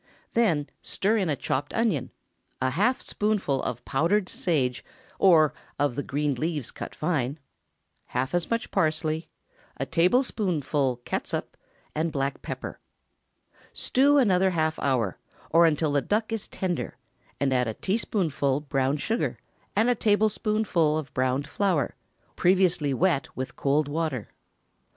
Then stir in a chopped onion, a half spoonful of powdered sage, or of the green leaves cut fine, half as much parsley, a tablespoonful catsup, and black pepper. Stew another half hour, or until the duck is tender, and add a teaspoonful brown sugar, and a tablespoonful of browned flour, previously wet with cold water.